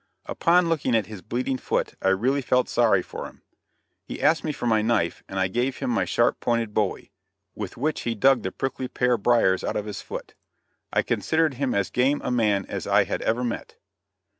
Upon looking at his bleeding foot I really felt sorry for him. He asked me for my knife, and I gave him my sharp pointed bowie, with which he dug the prickly pear briars out of his foot. I considered him as "game" a man as I had ever met.